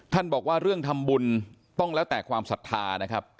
บอกว่าเรื่องทำบุญต้องแล้วแต่ความศรัทธานะครับ